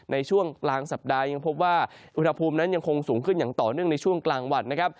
ในช่วงกลางสัปดาห์ยังพบว่าอุณหภูมินั้นยังคงสูงขึ้นอย่างต่อเนื่องในช่วงกลางวันนะครับ